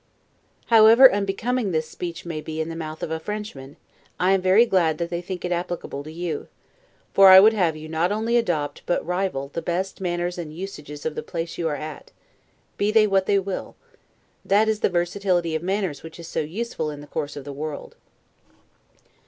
However unbecoming this speech may be in the mouth of a Frenchman, I am very glad that they think it applicable to you; for I would have you not only adopt, but rival, the best manners and usages of the place you are at, be they what they will; that is the versatility of manners which is so useful in the course of the world.